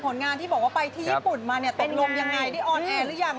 ผลงานที่บอกว่าไปที่ญี่ปุ่นมาตกลงอย่างไรที่ออนแอร์หรือยัง